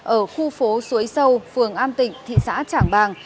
ở khu phố suối sâu phường an tịnh thị xã trảng bàng